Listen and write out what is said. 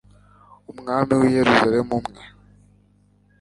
umwami w'i yeruzalemu, umwe